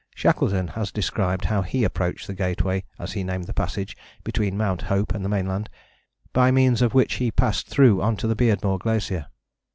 Shackleton has described how he approached the Gateway, as he named the passage between Mount Hope and the mainland, by means of which he passed through on to the Beardmore Glacier.